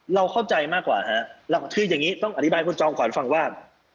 เราเข้าใจมากกว่าฮะคืออย่างนี้ต้องอธิบายคุณจอมขวัญฟังว่า